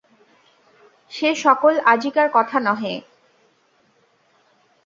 সে সকল আজিকার কথা নহে।